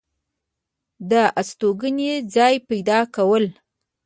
دا ستوګنې ځاے پېدا كول